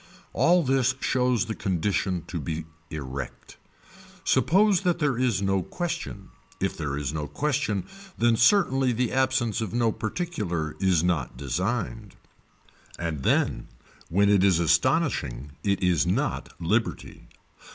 All this shows the condition to be erect. Suppose that there is no question, if there is no question then certainly the absence of no particular is not designed. And then when it is astonishing it is not liberty.